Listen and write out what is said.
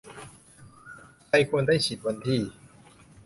ใครควรได้ฉีดวันที่